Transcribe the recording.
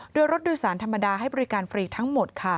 โดยรถโดยสารธรรมดาให้บริการฟรีทั้งหมด